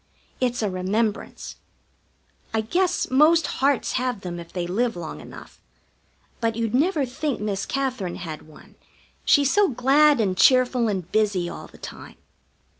It's a remembrance. I guess most hearts have them if they live long enough. But you'd never think Miss Katherine had one, she's so glad and cheerful and busy all the time.